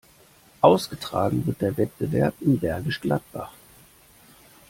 Ausgetragen wird der Wettbewerb in Bergisch Gladbach.